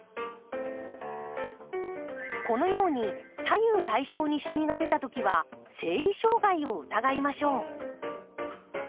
このように左右対称にしみが出たときは生理障害を疑いましょう。